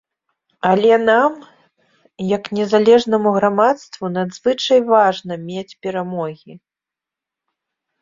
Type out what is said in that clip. Але нам, як незалежнаму грамадству надзвычай важна мець перамогі.